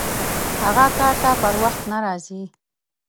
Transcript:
هغه کار ته پر وخت نه راځي!